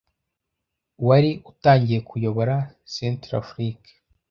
wari utangiye kuyobora Centre Africa